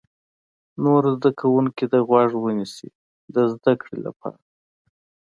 نور زده کوونکي دې غوږ ونیسي د زده کړې لپاره.